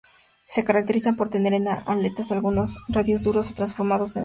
Se caracterizan por tener en las aletas algunos radios duros o transformados en espinas.